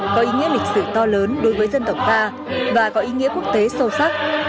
có ý nghĩa lịch sử to lớn đối với dân tộc ta và có ý nghĩa quốc tế sâu sắc